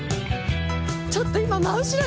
ちょっと今。